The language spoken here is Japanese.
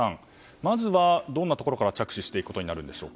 まずはどんなところから着手していくことになるんでしょうか？